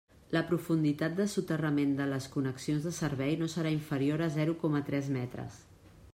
La profunditat de soterrament de les connexions de servei no serà inferior a zero coma tres metres.